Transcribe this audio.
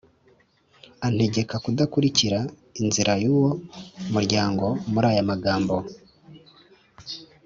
antegeka kudakurikira inzira y’uwo muryango, muri aya magambo: